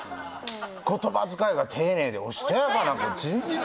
「言葉遣いが丁寧でおしとやかな子」